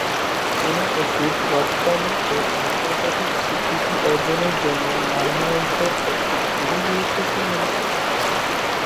কোন ওষুধ রপ্তানি ও আন্তর্জাতিক স্বীকৃতির অর্জনের জন্য মান নিয়ন্ত্রণ একটি খুবই গুরুত্বপূর্ণ বিষয়।